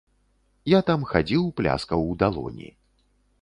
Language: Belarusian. Я там хадзіў, пляскаў у далоні.